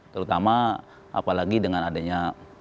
terutama apalagi dengan adanya